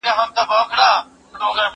زه له سهاره شګه پاکوم!؟